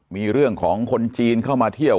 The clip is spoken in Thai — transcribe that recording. มีเรื่องของคนจีนเข้ามาเที่ยว